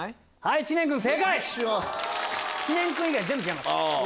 知念君以外全部違います。